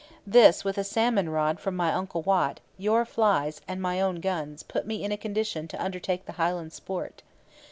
This, with a salmon rod from my uncle Wat, your flies, and my own guns, put me in a condition to undertake the Highland sport.